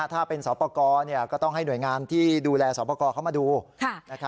ถ้าเป็นสอบประกอบก็ต้องให้หน่วยงานที่ดูแลสอบประกอบเข้ามาดู